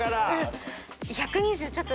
１２０ちょっと。